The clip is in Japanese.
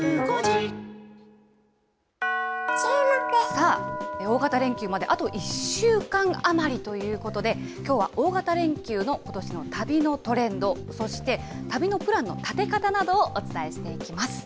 さあ、大型連休まであと１週間余りということで、きょうは大型連休のことしの旅のトレンド、そして、旅のプランの立て方などをお伝えしていきます。